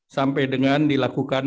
sampai dengan dilakukan